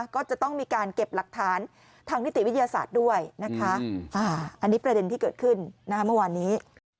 ก็จะต้องมีการเก็บหลักฐานทางนิติวิทยาศาสตร์ด้วยนะคะอันนี้ประเด็นที่เกิดขึ้นเมื่อวานนี้